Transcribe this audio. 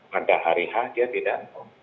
pada hari h dia tidak mau